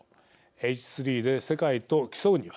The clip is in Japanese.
Ｈ３で世界と競うには。